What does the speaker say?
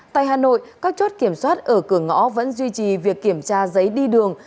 tại hà nội các chốt kiểm soát ở cửa ngõ vẫn duy trì việc kiểm tra giấy đi đường